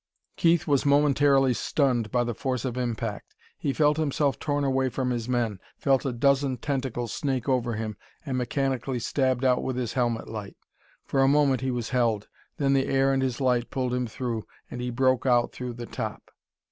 Keith was momentarily stunned by the force of impact. He felt himself torn away from his men, felt a dozen tentacles snake over him, and mechanically stabbed out with his helmet light. For a moment he was held; then the air and his light pulled him through, and he broke out through the top.